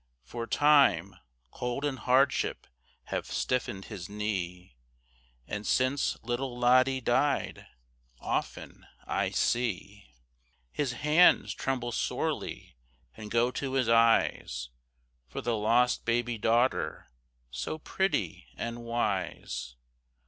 For time, cold and hardship have stiffened his knee, And since little Lottie died, often I see His hands tremble sorely, and go to his eyes, For the lost baby daughter, so pretty and wise.